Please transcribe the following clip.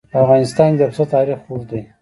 په افغانستان کې د پسه تاریخ اوږد دی.